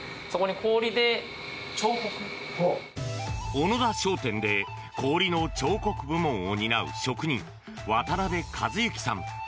小野田商店で氷の彫刻部門を担う職人渡邊和幸さん。